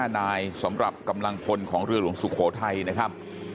๕นายสำหรับกำลังพลของเรือหลวงสุโขทัยนะครับ